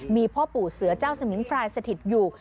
มีพ่อปู่เสือเจ้าสมิงพรายสถิตอยู่